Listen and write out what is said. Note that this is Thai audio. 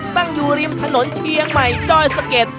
ตั้งอยู่ริมถนนเชียงใหม่ดอยสะเก็ด